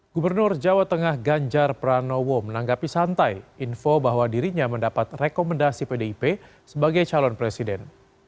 gubernur jawa tengah ganjar pranowo menanggapi santai info bahwa dirinya mendapat rekomendasi pdip sebagai calon presiden